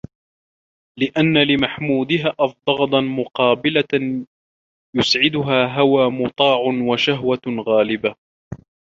لِأَنَّ لِمَحْمُودِهَا أَضْدَادًا مُقَابِلَةً يُسْعِدُهَا هَوًى مُطَاعٌ وَشَهْوَةٌ غَالِبَةٌ